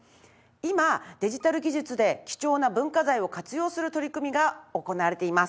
今デジタル技術で貴重な文化財を活用する取り組みが行われています。